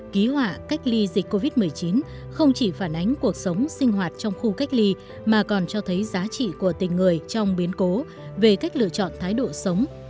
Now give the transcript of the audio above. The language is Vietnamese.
ký họa cách ly dịch covid một mươi chín không chỉ phản ánh cuộc sống sinh hoạt trong khu cách ly mà còn cho thấy giá trị của tình người trong biến cố về cách lựa chọn thái độ sống